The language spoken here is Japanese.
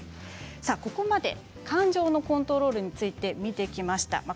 ここまで感情のコントロールについて見てきました。